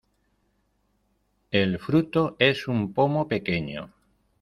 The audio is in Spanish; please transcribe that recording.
El fruto es un pomo pequeño.